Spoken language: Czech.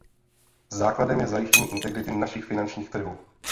Základem je zajištění integrity našich finančních trhů.